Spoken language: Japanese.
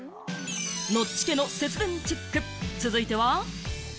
ノッチ家の節電チェック、続いては。